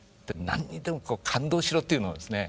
何にでも感動しろというのをですね